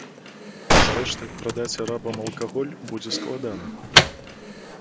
Зрэшты, прадаць арабам алкаголь будзе складана.